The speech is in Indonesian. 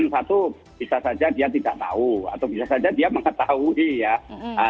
satu bisa saja dia tidak tahu atau bisa saja dia mengetahui ya